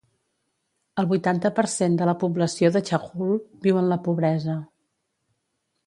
El vuitanta per cent de la població de Chajul viu en la pobresa.